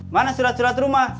mana surat surat rumah